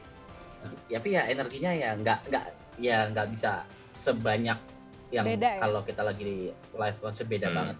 tapi ya energinya ya enggak bisa sebanyak yang kalau kita lagi live konser beda banget